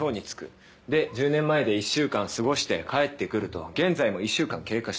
で１０年前で１週間過ごして帰ってくると現在も１週間経過している。